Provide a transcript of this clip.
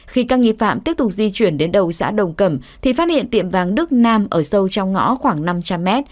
khi các nghi phạm tiếp tục di chuyển đến đầu xã đồng cẩm thì phát hiện tiệm vàng đức nam ở sâu trong ngõ khoảng năm trăm linh m